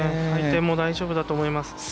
回転も大丈夫だと思います。